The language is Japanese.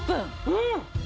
うん！